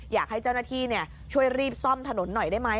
อยากให้เจ้าหน้าที่ช่วยรีบซ่อมถนนหน่อยได้ไหม